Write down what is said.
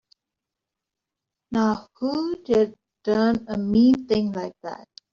Now who'da done a mean thing like that?